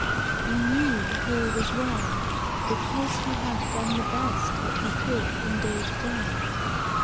He knew that all was well, because he had done the best that he could from day to day.